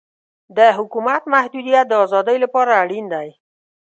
د حکومت محدودیت د ازادۍ لپاره اړین دی.